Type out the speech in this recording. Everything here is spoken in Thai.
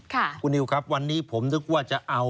คุณนิวครับวันนี้ผมนึกว่าจะเอา